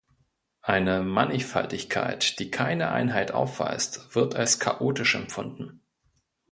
Eine Mannigfaltigkeit, die keine Einheit aufweist, wird als chaotisch empfunden.